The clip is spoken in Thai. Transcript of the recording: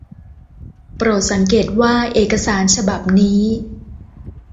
โปรดสังเกตว่าเอกสารฉบับนี้